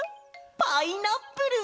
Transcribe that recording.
パイナップル！